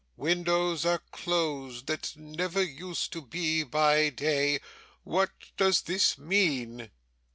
'Windows are closed that never used to be by day. What does this mean?